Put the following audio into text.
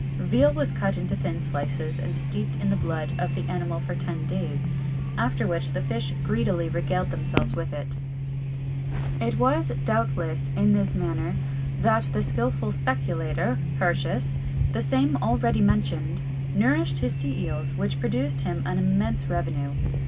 Veal was cut into thin slices, and steeped in the blood of the animal for ten days, after which the fish greedily regaled themselves with it.[XXI 64] It was, doubtless, in this manner that the skilful speculator, Hirtius, the same already mentioned nourished his sea eels, which produced him an immense revenue.